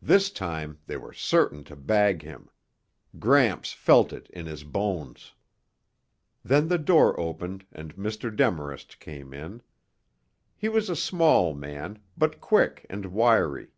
This time they were certain to bag him; Gramps felt it in his bones. Then the door opened and Mr. Demarest came in. He was a small man, but quick and wiry.